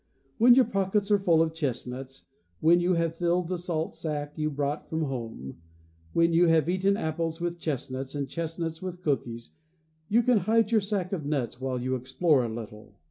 When your pockets are full of chestnuts, when you have filled the salt sack you brought from home, when you have eaten apples with chestnuts, and chestnuts with cookies, you can hide your sack of nuts, while you explore a little.